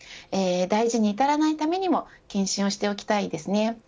大事に至らないためにも検診をしておきたいですね。